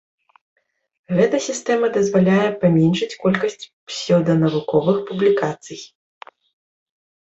Гэта сістэма дазваляе паменшыць колькасць псеўданавуковых публікацый.